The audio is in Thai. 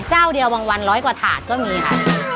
เจ้าเดียวบางวันร้อยกว่าถาดก็มีค่ะ